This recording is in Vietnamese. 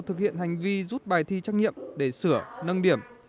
thực hiện hành vi rút bài thi trắc nghiệm để sửa nâng điểm